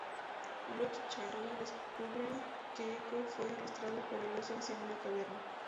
Locke y Charlie descubren que Eko fue arrastrado por el oso hacia una caverna.